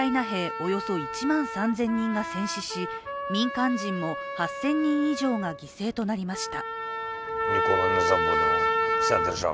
およそ１万３０００人が戦死し民間人も８０００人以上が犠牲となりました。